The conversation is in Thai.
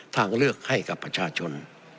ทางเลือกให้กับประชาชน